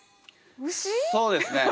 そうですね